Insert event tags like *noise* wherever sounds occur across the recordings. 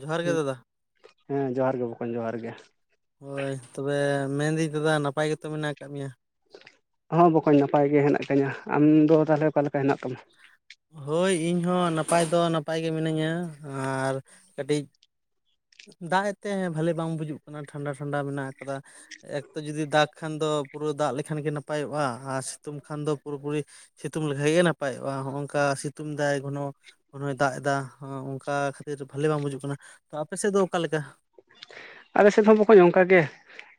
ᱡᱚᱦᱟᱨ ᱜᱮ ᱫᱟᱫᱟ᱾ ᱦᱮᱸ ᱡᱚᱦᱟᱨ ᱜᱮ ᱵᱚᱠᱚᱧ ᱡᱚᱦᱟᱨ ᱜᱮ᱾ ᱦᱳᱭ ᱛᱚᱵᱮ ᱢᱮᱱᱫᱟᱹᱧ ᱫᱟᱫᱟ ᱱᱟᱯᱟᱭ ᱜᱮᱛᱚ ᱢᱮᱱᱟᱜᱱᱟ ᱟᱠᱟᱫ ᱢᱮᱭᱟ? ᱦᱚᱸ ᱵᱚᱠᱚᱡ ᱱᱟᱯᱟᱭ ᱜᱮ ᱦᱮᱱᱟᱜ ᱛᱤᱧᱟᱹ ᱟᱢᱫᱚ ᱛᱟᱦᱚᱞᱮ ᱚᱠᱟᱞ ᱞᱮᱠᱟ ᱦᱮᱱᱟᱜ ᱛᱟᱢᱟ? ᱦᱳᱭ ᱤᱧᱦᱚ ᱱᱟᱯᱟᱭ ᱫᱚ ᱱᱟᱯᱟᱭ ᱜᱮ ᱢᱤᱱᱟᱹᱧᱟ ᱟᱨ ᱠᱟᱹᱴᱤᱡᱹᱹᱹ ᱫᱟᱜ ᱮᱛᱮ ᱵᱟᱹᱞᱤ ᱵᱟᱝ ᱵᱩᱡᱩᱜ ᱠᱟᱱᱟ ᱴᱷᱟᱱᱰᱟ ᱴᱷᱟᱱᱰᱟ ᱢᱮᱱᱟᱜ ᱟᱠᱟᱫᱟ᱾ ᱮᱠᱛᱚ ᱡᱩᱚᱫᱤ ᱫᱟᱜᱽ ᱠᱷᱟᱱ ᱫᱚ ᱯᱩᱨᱟᱹ ᱫᱟᱜ ᱞᱮᱠᱷᱟᱱ ᱜᱮ ᱱᱟᱯᱟᱭᱚᱜᱼᱟ ᱟᱨ ᱥᱤᱛᱩᱝ ᱠᱷᱟᱱ ᱫᱚ ᱯᱩᱨᱟᱹ ᱯᱩᱨᱤᱹᱹᱹ ᱥᱤᱛᱩᱝ ᱞᱮᱠᱷᱟᱡ ᱜᱮ ᱱᱟᱯᱟᱭᱚᱜᱼᱟ ᱦᱚᱜᱼᱝᱠᱟ ᱥᱤᱛᱩᱝ ᱫᱟᱭ ᱜᱚᱱᱚᱹᱹᱹ ᱠᱚᱱᱚᱭ ᱫᱟᱜ ᱮᱫᱟ ᱚᱱᱠᱟ ᱠᱷᱟᱹᱛᱤᱨ ᱵᱷᱟᱞᱞᱤ ᱵᱟᱝ ᱵᱩᱡᱩᱜ ᱠᱟᱱᱟ ᱛᱚ ᱟᱯᱮ ᱥᱮᱫ ᱫᱚ ᱚᱠᱟᱞᱮᱠᱟ᱾ ᱟᱞᱮᱥᱮᱫ ᱦᱚᱸ ᱵᱟᱚᱠᱚ ᱝᱠᱟ ᱜᱮ᱾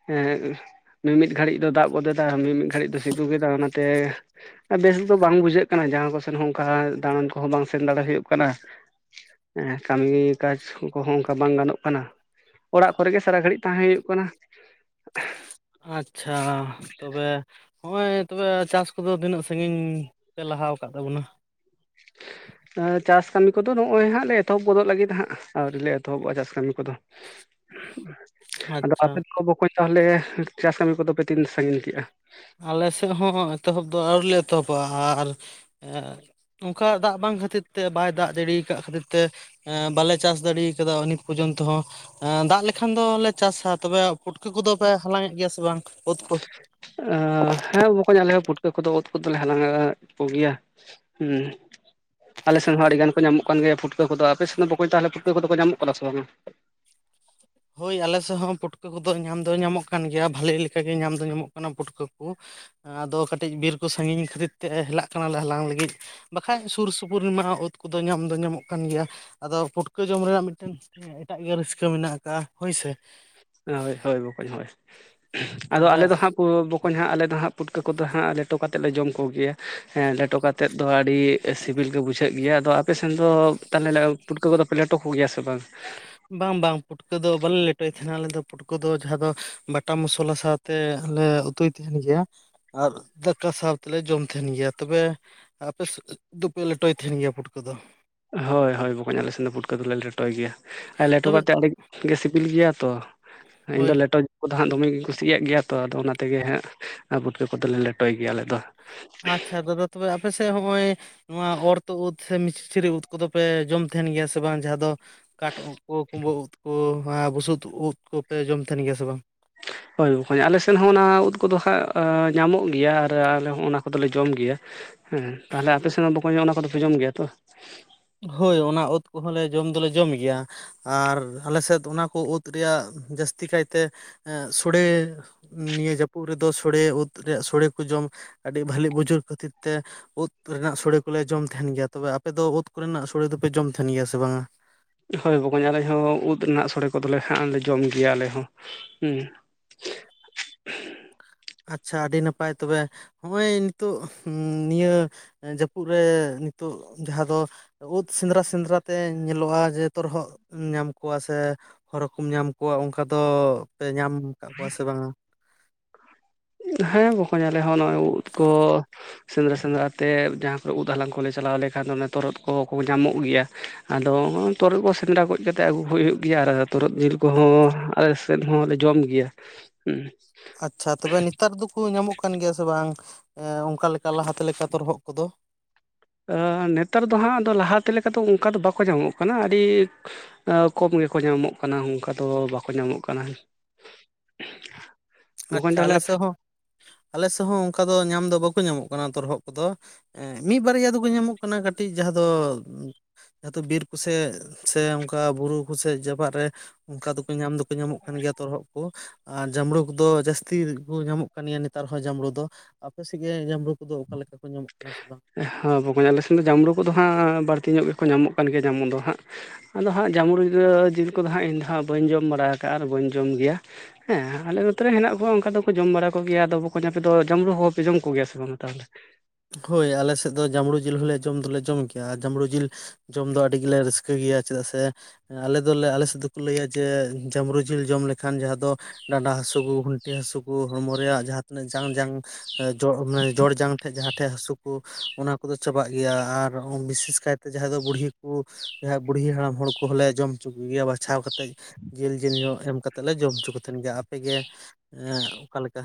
ᱦᱮᱸ ᱢᱤᱢᱤᱫ ᱜᱷᱟᱹᱲᱤᱡ ᱫᱚ ᱫᱟᱜ ᱵᱚᱫ ᱮᱟ ᱢᱤᱼᱢᱤᱫ ᱜᱷᱟᱹᱲᱤᱡ ᱫᱚ ᱥᱤᱛᱩ ᱠᱮᱫᱟ ᱚᱱᱟᱛᱮᱹᱹᱹ ᱵᱮᱥ ᱫᱚ ᱵᱟᱝ ᱵᱩᱡᱷᱟᱹᱜ ᱠᱟᱱᱟ ᱡᱟᱦᱟᱸ ᱠᱚᱥᱱ ᱦᱚᱸ ᱚᱱᱠᱟ ᱫᱟᱬᱟᱱ ᱠᱚᱦᱚᱸ ᱵᱟᱝ ᱥᱮᱱ ᱫᱟᱲᱮ ᱦᱩᱭᱩᱜ ᱠᱟᱱᱟ᱾ ᱦᱮᱸ ᱠᱟᱹᱢᱤ ᱠᱟᱡ ᱠᱚᱦᱚᱸ ᱚᱱᱠᱟ ᱵᱟᱝ ᱜᱟᱱᱚᱜ ᱠᱟᱱᱟ᱾ ᱚᱲᱟᱜ ᱠᱚᱨᱮ ᱜᱮ ᱥᱟᱨᱟ ᱜᱷᱟᱹᱲᱤᱡ ᱛᱟᱦᱮᱸ ᱦᱩᱭᱩᱜ ᱠᱟᱱᱟ᱾ ᱟᱪᱪᱷᱟ ᱛᱚᱵᱮᱹᱹᱹ ᱦᱚᱜᱼᱚᱭ ᱛᱚᱵᱮ ᱪᱟᱥ ᱠᱚᱫᱚ ᱛᱤᱱᱟᱹᱜ ᱥᱟᱺᱜᱤᱧ ᱯᱮ ᱞᱟᱦᱟ ᱟᱠᱟᱫ ᱛᱟᱵᱚᱱᱟ? *inaudible* ᱪᱟᱥ ᱠᱟᱹᱢᱤ ᱠᱚᱫᱚ ᱱᱚᱜᱼᱚᱭ ᱦᱟᱸᱜ ᱞᱮ ᱮᱛᱚᱦᱚᱵ ᱜᱚᱫᱚᱜ ᱞᱟᱹᱜᱤᱫ ᱦᱟᱸᱜ ᱟᱨᱣᱞᱮ ᱮᱛᱚᱦᱚᱵᱚᱜᱼᱟ ᱪᱟᱥ ᱠᱟᱹᱢᱤ ᱠᱚᱫᱚ᱾ *inaudible* ᱟᱫᱚ ᱟᱪᱪᱷᱟ ᱟᱯᱮ ᱠᱚ ᱵᱟᱚᱠᱚ ᱛᱟᱦᱚᱞᱮ ᱪᱟᱥ ᱠᱟᱹᱢᱤ ᱠᱚᱫᱚ ᱯᱮ ᱛᱤᱱ ᱥᱟᱺᱜᱤᱧ ᱠᱮᱜᱼᱟ? ᱟᱞᱮᱥᱮᱫ ᱦᱚᱸ ᱮᱛᱚᱦᱚᱵ ᱫᱚ ᱟᱹᱣᱨᱤᱞᱮ ᱮᱛᱚᱦᱚᱵᱟ ᱟᱨᱹᱹᱹ ᱚᱱᱠᱟ ᱫᱟᱜ ᱵᱟᱝ ᱠᱷᱟᱹᱛᱤᱨ ᱛᱮ ᱵᱟᱭ ᱫᱟᱜ ᱡᱟᱲᱤᱭᱟ ᱟᱠᱟᱫ ᱠᱷᱟᱹᱛᱤᱨ ᱛᱮᱹᱹᱹ ᱛᱮ ᱵᱟᱞᱮ ᱪᱟᱥ ᱫᱟᱲᱮ ᱠᱟᱫᱟ ᱩᱱᱤ ᱯᱚᱨᱡᱚᱱᱛᱚ ᱦᱚᱸ᱾ ᱫᱟᱜ ᱞᱮᱠᱷᱟᱱ ᱫᱚᱞᱮ ᱪᱟᱥᱟ ᱛᱚᱵᱮ ᱯᱩᱴᱠᱟᱹ ᱠᱚᱫᱚᱯᱮ ᱦᱟᱞᱟᱝ ᱮᱫ ᱜᱮᱭᱟ ᱥᱮ ᱵᱟᱝ ᱚᱛ? ᱦᱮᱸ ᱵᱟᱚᱠᱷ ᱟᱞᱮ ᱦᱚᱸ ᱯᱩᱴᱠᱟᱹ ᱠᱚᱫᱚᱹᱹᱹᱹ ᱯᱷᱩᱴ ᱫᱚᱞᱮ ᱦᱟᱞᱟᱝᱮᱫ ᱠᱚᱜᱮᱭᱟ ᱦᱸ ᱟᱞᱮ ᱥᱮᱱ ᱦᱚᱸ ᱟᱹᱰᱤ ᱜᱟᱱ ᱠᱚ ᱧᱟᱢᱚᱜ ᱠᱟᱱ ᱜᱮᱭᱟ ᱯᱷᱩᱴ ᱯᱩᱛᱟᱹᱫᱚᱯᱮ ᱥᱮ ᱫᱚᱠᱚ ᱛᱟᱦᱚᱞᱮ ᱯᱴᱟᱹ ᱠᱚ ᱧᱟᱢᱚᱜ ᱠᱟᱱᱟ ᱥᱮ ᱵᱟᱝᱼᱟ᱾ ᱦᱳᱭ ᱟᱞᱮ ᱥᱮᱫ ᱦᱚᱸ ᱯᱩᱴᱠᱟᱹ ᱠᱚᱫᱚ ᱧᱟᱢ ᱫᱚ ᱧᱟᱢᱚᱜ ᱠᱟᱱ ᱜᱮᱭᱟ ᱵᱷᱟᱹᱞᱮ ᱞᱮᱠᱟᱜᱮ ᱧᱟᱢ ᱫᱚ ᱧᱟᱢᱚᱜ ᱠᱟᱱᱟ ᱯᱩᱴᱠᱟᱹ ᱠᱚ᱾ ᱟᱫᱚ ᱠᱟᱹᱴᱤᱡ ᱵᱤᱨ ᱠᱚ ᱥᱟᱺᱜᱤᱧ ᱠᱷᱟᱹᱛᱤᱨ ᱛᱮ ᱦᱮᱞᱟᱜ ᱠᱟᱱᱟᱞᱮ ᱦᱟᱞᱟᱝ ᱞᱟᱹᱜᱤᱫ᱾ ᱵᱟᱠᱷᱟᱡ ᱥᱩᱨᱼ ᱥᱩᱯᱩᱨᱢᱟ ᱚᱛ ᱠᱚᱫᱚ ᱧᱟᱢ ᱫᱚ ᱧᱟᱢᱚᱜ ᱠᱟᱱ ᱜᱮᱭᱟ ᱟᱫᱚ ᱯᱩᱴᱠᱟᱹ ᱡᱚᱢ ᱨᱮᱱᱟᱜ ᱢᱤᱫᱴᱮᱱᱹᱹᱹ ᱮᱴᱟᱜ ᱜᱮ ᱨᱟᱹᱥᱠᱟᱹ ᱢᱮᱱᱟᱜ ᱟᱠᱟᱟᱜᱼᱟ ᱦᱳᱭᱥᱮ᱾ ᱦᱳᱭ ᱦᱳᱭ ᱵᱠᱚ ᱦᱳᱭ ᱟᱫᱚ ᱛᱚᱵᱮ ᱟᱞᱮ ᱫᱚ ᱦᱟᱸᱜ᱾ ᱠᱚ ᱦᱟᱸᱜ ᱟᱞᱮ ᱫᱚ ᱦᱟᱸᱜ ᱯᱩᱴᱠᱟᱹ ᱠᱚᱫᱚ ᱦᱟᱸᱜ ᱞᱮᱴᱚ ᱠᱟᱛᱮᱫ ᱞᱮ ᱡᱚᱢ ᱠᱚᱜᱮᱭᱟ ᱦᱮᱸ ᱞᱮᱴᱚ ᱠᱟᱛᱮᱫ ᱫᱚ ᱟᱹᱰᱤᱹᱹᱹ ᱥᱤᱵᱤᱞ ᱜᱮ ᱵᱩᱡᱷᱟᱹᱜ ᱜᱮᱭᱟ ᱟᱫᱚ ᱟᱯᱮ ᱥᱮᱱ ᱫᱚ ᱛᱟᱦᱚᱞᱮ ᱯᱩᱴᱠᱟᱹ ᱠᱚᱫᱚ ᱯᱮ ᱞᱮᱴᱚ ᱠᱚᱜᱮᱭᱟ ᱥᱮ ᱵᱟᱝ᱾ ᱵᱟᱝ ᱵᱟᱝ ᱯᱩᱴᱠᱟᱹ ᱫᱚ ᱵᱟᱞᱮ ᱞᱮᱴᱚᱭ ᱛᱟᱦᱮᱱᱟ ᱟᱞᱮ ᱫᱚ᱾ ᱱᱩᱠᱩ ᱫᱚ ᱡᱟᱦᱟᱸ ᱫᱚ ᱢᱮᱴᱟ ᱢᱚᱥᱞᱟ ᱥᱟᱶᱛᱮ ᱞᱮ ᱩᱛᱩᱭ ᱛᱟᱦᱮ ᱜᱮᱭᱟ ᱟᱨ ᱫᱟᱠᱟ ᱥᱟᱶ ᱛᱮᱞᱮ ᱡᱚᱢ ᱛᱟᱦᱮᱱ ᱜᱮᱭᱟ ᱛᱚᱵᱮ ᱟᱯᱮ ᱥᱮᱫ ᱫᱚᱯᱮ ᱞᱮᱴᱚᱭ ᱛᱟᱦᱮᱱ ᱜᱮᱭᱟ ᱯᱩᱴᱠᱟᱹ ᱫᱚ ᱦᱳᱭ ᱦᱳᱭ ᱵᱚᱠᱚᱧ ᱟᱞᱮᱥᱮᱫ ᱫᱚ ᱯᱩᱴᱠᱟᱹ ᱟᱞᱮ ᱞᱮᱴᱚᱭ ᱜᱮᱭᱟ ᱟᱨ ᱞᱮᱴᱚ ᱛᱚᱵᱮ ᱠᱟᱛᱮᱫ ᱟᱹᱰᱤ ᱜᱮ ᱥᱤᱵᱤᱞ ᱜᱮᱭᱟ ᱛᱚ ᱤᱧ ᱦᱳᱭ ᱫᱚ ᱞᱮᱴᱚ ᱩᱱᱠᱩ ᱫᱚᱦᱟᱸᱜ ᱫᱚᱢᱮᱮᱧ ᱠᱩᱥᱤᱭᱟᱜ ᱜᱮᱭᱟ ᱛᱚ ᱟᱫᱚ ᱚᱱᱟ ᱛᱮᱜᱮ ᱦᱟᱸᱜ ᱯᱩᱴᱠᱟᱹ ᱠᱚᱫᱚᱞᱮ ᱞᱮᱴᱚᱭ ᱜᱮᱭᱟ ᱟᱞᱮ ᱫᱚ ᱟᱪᱪᱷᱟ ᱫᱟᱫᱟ ᱛᱚᱵᱮ ᱟᱯᱮᱥᱮᱫ ᱦᱚᱸᱜᱼᱚᱭ ᱱᱚᱣᱟ ᱚᱨᱛᱚᱫ ᱩᱫ ᱥᱮ ᱢᱤᱥᱨᱤ ᱩᱫ ᱠᱚᱫᱚ ᱯᱮ ᱡᱚᱢ ᱛᱟᱦᱮᱱ ᱜᱮᱭᱟ ᱥᱮ ᱵᱟᱝ ᱡᱟᱦᱟᱸ ᱫᱚ ᱠᱟᱴ ᱩᱫ ᱠᱚ ᱠᱩᱢᱵᱟᱹ ᱩᱫ ᱠᱚ ᱟᱨ ᱵᱩᱥᱩᱫ ᱩᱫ ᱠᱚᱯᱮ ᱡᱚᱢ ᱛᱟᱦᱮᱱ ᱜᱮᱭᱟ ᱥᱮ ᱵᱟᱝ ᱦᱳᱭ ᱵᱚᱜᱚᱧ ᱟᱞᱮ ᱥᱮᱫ ᱦᱚᱸ ᱚᱱᱟ ᱩᱫ ᱠᱚᱫᱚ ᱦᱟᱸᱜ ᱧᱟᱢᱚᱜ ᱜᱮᱭᱟ ᱟᱨ ᱟᱞᱮ ᱦᱚᱸ ᱚᱱᱟ ᱠᱚᱫᱚᱞᱮ ᱡᱚᱢ ᱜᱮᱭᱟ ᱦᱮᱸ ᱛᱟᱦᱚᱞᱮ ᱟᱯᱮ ᱥᱮᱱ ᱦᱚᱸ ᱵᱟᱠᱚ ᱧᱚᱜᱼᱟ ᱚᱱᱟ ᱠᱚᱫᱚᱯᱮ ᱡᱚᱢ ᱜᱮᱭᱟ ᱛᱚ ᱦᱳᱭ ᱚᱱᱟ ᱚᱫ ᱠᱚᱦᱚᱸ ᱞᱮ ᱡᱚᱢ ᱫᱚᱞᱮ ᱡᱚᱢ ᱜᱮᱭᱟ ᱟᱨ ᱟᱞᱮ ᱥᱮᱫ ᱚᱱᱟ ᱠᱚ ᱩᱫ ᱨᱮᱭᱟᱜ ᱡᱟᱹᱥᱛᱤ ᱠᱟᱭᱛᱮ ᱥᱚᱲᱮ᱾ ᱱᱤᱭᱟᱹ ᱡᱟᱹᱯᱩᱫ ᱨᱮᱫᱚ ᱥᱚᱲᱮ ᱩᱫ ᱨᱮᱭᱟᱜ ᱥᱚᱲᱮ ᱠᱚ ᱡᱚᱢ᱾ ᱟᱹᱰᱤ ᱵᱷᱟᱞᱤ ᱵᱩᱡᱩᱜ ᱠᱷᱟᱹᱛᱤᱨ ᱛᱮ ᱩᱫ ᱨᱮᱱᱟᱜ ᱥᱳᱲᱮ ᱠᱚᱞᱮ ᱡᱚᱢ ᱛᱟᱦᱮᱱ ᱜᱮᱭᱟ ᱛᱚᱵᱮ ᱟᱯᱮᱫᱚ ᱩᱫ ᱠᱚᱨᱮᱱᱟᱜ ᱥᱳᱲᱮ ᱫᱚᱯᱮ ᱡᱚᱢ ᱛᱟᱦᱮᱱ ᱜᱮᱭᱟ ᱥᱮ ᱵᱟᱝᱟ? ᱦᱳᱭ ᱵᱚᱜᱚᱧ ᱟᱞᱮ ᱦᱚᱸ ᱩᱫ ᱨᱮᱱᱟᱜ ᱥᱳᱲᱮ ᱠᱚᱫᱚᱞᱮ ᱦᱟᱸᱜ ᱞᱮ ᱡᱚᱢ ᱜᱮᱭᱟ ᱟᱞᱮ ᱦᱚᱸ ᱦᱮᱸ ᱟᱪᱪᱷᱟ ᱟᱹᱰᱤ ᱱᱟᱯᱟᱭ ᱛᱚᱵᱮ ᱦᱚᱜᱼᱚᱭ ᱱᱤᱛᱚᱜ ᱱᱤᱭᱟᱹ ᱡᱟᱹᱯᱩᱫ ᱨᱮ ᱱᱤᱛᱚᱜ ᱡᱟᱦᱟᱸ ᱫᱚ ᱩᱫ ᱥᱮᱸᱫᱽᱨᱟ ᱥᱮᱸᱫᱽᱨᱟ ᱛᱮ ᱧᱮᱞᱚᱜᱼᱟ ᱡᱮ ᱛᱚᱨᱦᱚᱫ ᱧᱟᱢ ᱠᱚᱣᱟ ᱥᱮ ᱦᱚᱨᱚᱢ ᱧᱟᱢ ᱠᱚᱣᱟ ᱚᱱᱠᱟ ᱫᱚ ᱯᱮ ᱧᱟᱢ ᱟᱠᱟᱫ ᱠᱚᱣᱟ ᱥᱮ ᱵᱟᱝᱟ ᱦᱮᱸ ᱵᱚᱠᱚᱧ ᱞᱮ ᱦᱚᱸ ᱱᱚᱜᱚᱭ ᱩᱫ ᱠᱚ ᱥᱮᱸᱫᱽᱨᱟ ᱥᱮᱸᱫᱽᱨᱟ ᱛᱮ ᱡᱟᱦᱟᱸ ᱠᱚᱨᱮ ᱩᱫ ᱦᱟᱞᱟᱝ ᱠᱚᱞᱮ ᱪᱟᱞᱟᱣ ᱞᱮᱠᱷᱟᱱ ᱫᱚ ᱛᱚᱨᱦᱚᱫ ᱠᱚ ᱧᱟᱢᱚᱜ ᱜᱮᱭᱟ ᱟᱫᱚ ᱛᱚᱨᱦᱚᱫ ᱠᱚ ᱥᱮᱸᱫᱽᱨᱟ ᱜᱚᱡ ᱠᱟᱛᱮᱫ ᱟᱹᱜᱩ ᱠᱚ ᱦᱩᱭᱩᱜ ᱜᱮᱭᱟ ᱟᱨ ᱛᱚᱨᱦᱚᱫ ᱡᱤᱞ ᱠᱚᱦᱚᱸ ᱟᱞᱮ ᱥᱮᱫ ᱦᱚᱸ ᱞᱮ ᱡᱚᱢ ᱜᱮᱭᱟ ᱦᱩᱸ ᱟᱪᱪᱷᱟ ᱛᱚᱵᱮ ᱱᱮᱛᱟᱨ ᱫᱚᱠᱚ ᱧᱟᱢᱚᱜ ᱠᱟᱱ ᱜᱮᱭᱟ ᱥᱮ ᱵᱟᱝ ᱚᱱᱠᱟ ᱞᱮᱠᱟ ᱞᱟᱦᱟᱛᱮ ᱞᱮᱠᱟ ᱛᱚᱨᱦᱚᱫ ᱠᱚᱫᱚ ᱱᱮᱛᱟᱨ ᱫᱚ ᱦᱟᱸᱜ ᱫᱚ ᱞᱟᱦᱟᱛᱮ ᱞᱮᱠᱟ ᱫᱚ ᱚᱱᱠᱟ ᱫᱚ ᱵᱟᱠᱚ ᱧᱟᱢᱚᱜ ᱠᱟᱱᱟ ᱟᱹᱰᱤ ᱠᱚᱢ ᱜᱮᱠᱚ ᱧᱟᱢᱚᱜ ᱠᱟᱱᱟ ᱚᱱᱠᱟ ᱫᱚ ᱵᱟᱠᱚ ᱧᱟᱢᱚᱜ ᱠᱟᱱᱟ ᱵᱚᱠᱚᱧ ᱟᱪᱪᱷᱟ ᱟᱞᱮ ᱛᱟᱦᱚᱞᱮ ᱥᱮᱫ ᱦᱚᱸ ᱟᱞᱮ ᱥᱮᱫ ᱦᱚᱸ ᱚᱱᱠᱟ ᱫᱚ ᱧᱟᱢ ᱫᱚ ᱵᱟᱠᱚ ᱧᱟᱢᱚᱜ ᱠᱟᱱᱟ ᱛᱚᱨᱦᱚᱫ ᱠᱚᱫᱚ ᱢᱤᱫ ᱵᱟᱨᱭᱟ ᱫᱚᱠᱚ ᱧᱟᱢᱚᱜ ᱠᱟᱱᱟ ᱠᱟᱹᱴᱤᱡ ᱡᱟᱦᱟᱸ ᱫᱚ ᱟᱫᱚ ᱵᱤᱨ ᱠᱚ ᱥᱮᱫ ᱥᱮ ᱚᱱᱠᱟ ᱵᱩᱨᱩ ᱠᱚᱥᱮᱫ ᱡᱟᱯᱟᱜ ᱨᱮ ᱚᱱᱠᱟ ᱫᱚᱠᱚ ᱧᱟᱢ ᱫᱚᱠᱚ ᱧᱟᱢᱚᱜ ᱠᱟᱱ ᱜᱮᱭᱟ ᱛᱚᱨᱦᱚᱫ ᱠᱚ ᱟᱨ ᱡᱟᱢᱲᱩ ᱠᱚ ᱡᱟᱹᱥᱛᱤ ᱠᱚ ᱧᱟᱢᱚᱜ ᱠᱟᱱ ᱜᱮᱭᱟ ᱱᱮᱛᱟᱨ ᱦᱚᱸ ᱡᱟᱢᱽᱲᱩ ᱫᱚ ᱟᱯᱮᱥᱮᱫ ᱜᱮ ᱡᱟᱢᱲᱩ ᱠᱚᱫᱚ ᱚᱠᱟ ᱞᱮᱠᱟ ᱠᱚ ᱧᱟᱢᱚᱜ ᱠᱟᱱᱟ ᱥᱮ ᱵᱟᱝ? ᱦᱮᱸ ᱵᱚᱠᱚᱧ ᱟᱞᱮ ᱥᱮᱱ ᱫᱚ ᱡᱟᱢᱽᱲᱩ ᱠᱚᱫᱚ ᱦᱟᱸᱜ ᱵᱟᱹᱲᱛᱤ ᱧᱚᱜ ᱜᱮᱠᱚ ᱧᱟᱢᱚᱜ ᱠᱟᱱ ᱜᱮᱭᱟ ᱡᱟᱢᱚᱱ ᱫᱚ ᱦᱟᱸᱜ ᱟᱫᱚ ᱦᱟᱸᱜ ᱡᱟᱹᱢᱽᱢᱩ ᱡᱤᱞ ᱠᱚᱫᱚ ᱦᱟᱸᱜ ᱤᱧ ᱫᱚ ᱦᱟᱸᱜ ᱵᱟᱹᱧ ᱡᱚᱢ ᱵᱟᱲᱟ ᱟᱠᱟᱜᱼᱟ ᱟᱨ ᱵᱟᱹᱧ ᱡᱚᱢ ᱜᱮᱭᱟ ᱦᱮᱸ ᱟᱞᱮ ᱱᱚᱛᱮᱨᱮ ᱦᱮᱱᱟᱜ ᱠᱚᱣᱟ ᱚᱱᱠᱟ ᱫᱚᱠᱚ ᱡᱚᱢ ᱵᱟᱲᱟ ᱠᱚᱜᱮᱭᱟ ᱟᱫᱚ ᱵᱟᱠᱚ ᱧᱟᱯᱮ ᱫᱚ ᱡᱟᱢᱽᱲᱩ ᱦᱚᱸᱯᱮ ᱡᱚᱢ ᱠᱚᱜᱮᱭᱟ ᱥᱮ ᱵᱟᱝᱟ ᱛᱟᱦᱚᱞᱮ ᱦᱳᱭ ᱟᱞᱮ ᱥᱮᱫ ᱫᱚ ᱡᱟᱹᱵᱽᱲᱩ ᱡᱤᱞ ᱦᱚᱸᱞᱮ ᱡᱚᱢ ᱫᱚᱞᱮ ᱡᱚᱢ ᱜᱮᱭᱟ ᱡᱟᱹᱵᱽᱲᱩ ᱡᱤᱞ ᱡᱚᱢ ᱫᱚ ᱟᱹᱰᱤ ᱜᱮᱞᱮ ᱨᱟᱹᱥᱠᱟᱹ ᱜᱮᱭᱟ ᱪᱮᱫᱟᱜ ᱥᱮ ᱟᱞᱮ ᱫᱚᱞᱮ ᱟᱞᱮ ᱥᱮᱫ ᱫᱚᱠᱚ ᱞᱟᱹᱭᱟ ᱡᱮ ᱡᱟᱢᱲᱩ ᱡᱤᱞ ᱡᱚᱢ ᱞᱮᱠᱷᱟᱱ ᱡᱟᱦᱟᱸ ᱫᱚ ᱰᱟᱸᱰᱟ ᱦᱟᱥᱩ ᱠᱚ ᱜᱩᱱᱴᱤ ᱦᱟᱥᱩ ᱠᱚ ᱦᱚᱲᱢᱚ ᱨᱮᱭᱟᱜ ᱡᱟᱦᱟᱸ ᱛᱤᱱᱟᱹᱜ ᱡᱟᱝ ᱡᱟᱝ ᱱᱮ ᱡᱚᱲ ᱡᱟᱝ ᱴᱷᱮᱡ ᱡᱟᱦᱟᱸ ᱴᱷᱮᱱ ᱦᱟᱹᱥᱩ ᱠᱚ ᱚᱱᱟ ᱠᱚᱫᱚ ᱪᱟᱵᱟᱜ ᱜᱮᱭᱟ ᱟᱨ ᱵᱤᱥᱮᱥ ᱠᱟᱭᱛᱮ ᱡᱟᱦᱟᱸᱭ ᱫᱚ ᱵᱩᱲᱦᱤ ᱠᱚ ᱡᱟᱦᱟᱸ ᱵᱩᱲᱦᱤ ᱦᱟᱲᱟᱢ ᱦᱚᱲ ᱠᱚᱦᱚᱸ ᱞᱮ ᱡᱚᱢ ᱦᱚᱪᱚ ᱠᱚᱜᱮᱭᱟ ᱵᱟᱪᱷᱟᱣ ᱠᱟᱛᱮᱫ ᱡᱤᱞ ᱡᱤᱞᱧᱚᱜ ᱮᱢ ᱠᱟᱛᱮᱜ ᱞᱮ ᱡᱚᱢ ᱦᱚᱪᱚ ᱠᱚ ᱛᱟᱦᱮᱱ ᱜᱮᱭᱟ ᱟᱯᱮᱜᱮ ᱮᱸᱜ ᱚᱠᱟᱞᱮᱠᱟ